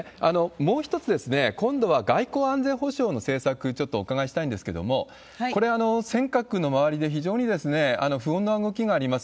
もう一つ、今度は外交安全保障の政策、ちょっとお伺いしたいんですけれども、これは尖閣の周りで非常に不穏な動きがあります。